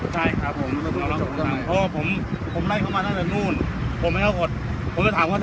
แต่ถ้าเราอยากคริปดาล